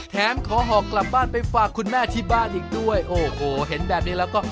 แถมขอหอกกลับบ้านไปฝากคุณแม่ที่บ้านอีกด้วยโอ้โหเห็นแบบนี้แล้วก็